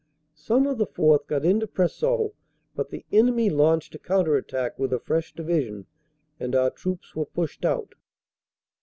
Some of the 4th. got into Preseau, but the enemy launched a counter attack with a fresh Division and our troops were pushed out.